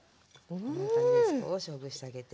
こんな感じで少しほぐしてあげて。